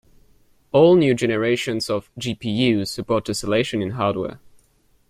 All new generations of GPUs support tesselation in hardware.